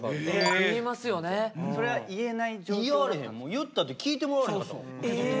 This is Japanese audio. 言ったって聞いてもらわれへんかったもん。